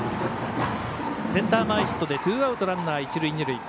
センター前ヒットでツーアウト、ランナー、一塁二塁。